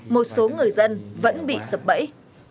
một số người dân vẫn bị sập bẫy